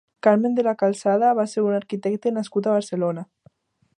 Carmen de la Calzada va ser un arquitecte nascut a Barcelona.